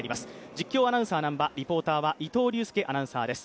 実況アナウンサーは南波、リポーターは伊藤隆佑アナウンサーです。